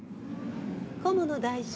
菰野大臣